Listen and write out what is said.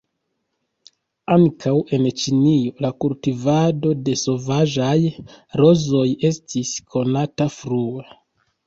Ankaŭ en Ĉinio la kultivado de sovaĝaj rozoj estis konata frue.